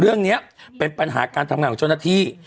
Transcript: เรื่องนี้เป็นปัญหาการทำงานของเจ้าหน้าที่